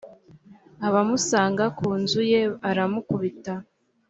abamusanga ku nzu ye aramukubita.